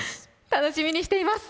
楽しみにしています。